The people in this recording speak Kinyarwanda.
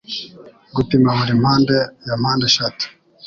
Gupima buri mpande ya mpandeshatu.